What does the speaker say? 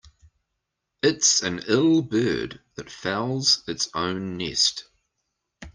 It's an ill bird that fouls its own nest.